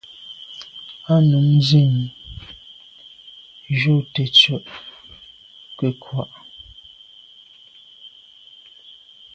A num nzin njù tèttswe nke nkwa’a.